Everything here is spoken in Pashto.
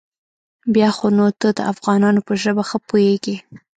بيا خو نو ته د افغانانو په ژبه ښه پوېېږې.